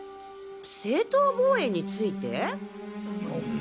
正当防衛について？